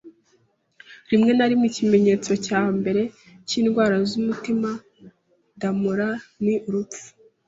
Rimwe na rimwe, ikimenyetso cya mbere cyindwara z'umutima-damura ni urupfu.